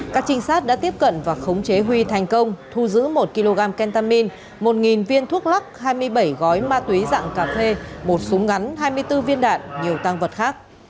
các trinh sát đã tiếp cận và khống chế huy thành công thu giữ một kg kentamin một viên thuốc lắc hai mươi bảy gói ma túy dạng cà phê một súng ngắn hai mươi bốn viên đạn nhiều tăng vật khác